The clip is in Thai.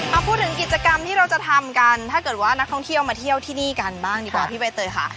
เอาพูดถึงกิจกรรมที่เราจะทำกันถ้าเกิดว่านักท่องเที่ยวมาเที่ยวที่นี่กันบ้างดีกว่าพี่ใบเตยค่ะ